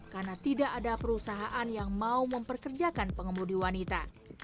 karena tidak ada perusahaan yang mau memperkerjakan pengemudi wanita